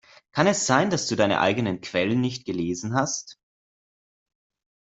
Kann es sein, dass du deine eigenen Quellen nicht gelesen hast?